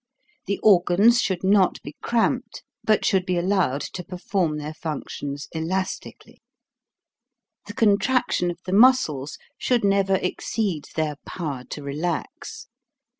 The organs should not 238 HOW TO SING be cramped, but should be allowed to per form their functions elastically. The contraction of the muscles should never ex ceed their power to relax.